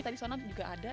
tadi sana juga ada